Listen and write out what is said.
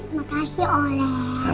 makasih om ren